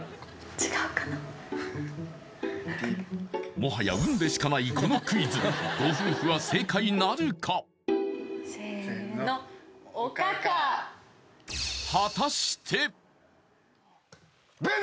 もはや運でしかないこのクイズご夫婦は正解なるかせのブブーッ！